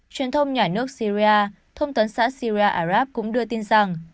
truyền thông nhà nước syria thông tấn xã siria arab cũng đưa tin rằng